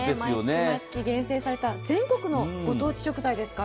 毎月毎月厳選された全国の高級食材ですから。